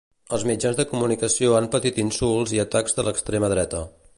Els mitjans de comunicació han patit insults i atacs de l'extrema dreta.